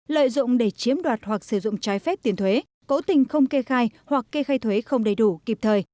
lợi dụng để chiếm đoạt hoặc sử dụng trái phép tiền thuế cố tình không kê khai hoặc kê khai thuế không đầy đủ kịp thời